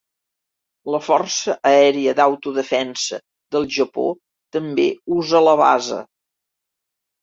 La força aèria d'Autodefensa del Japó també usa la base.